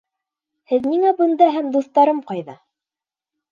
Һеҙ ниңә бында һәм дуҫтарым ҡайҙа?